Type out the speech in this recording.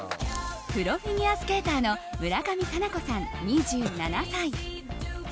プロフィギュアスケーターの村上佳菜子さん、２７歳。